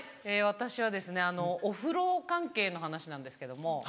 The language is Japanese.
私はお風呂関係の話なんですけども。